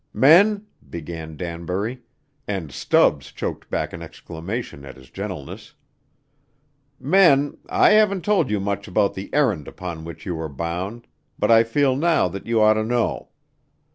"Men," began Danbury, and Stubbs choked back an exclamation at his gentleness, "men, I haven't told you much about the errand upon which you are bound, but I feel now that you ought to know.